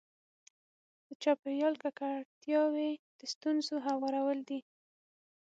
د چاپېریال ککړتیاوې د ستونزو هوارول دي.